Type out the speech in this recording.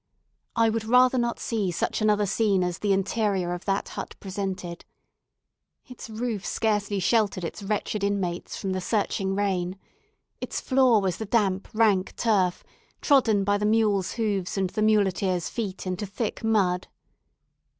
I would rather not see such another scene as the interior of that hut presented. Its roof scarcely sheltered its wretched inmates from the searching rain; its floor was the damp, rank turf, trodden by the mules' hoofs and the muleteers' feet into thick mud.